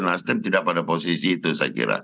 nasdem tidak pada posisi itu saya kira